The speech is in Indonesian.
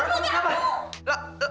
laura kamu kenapa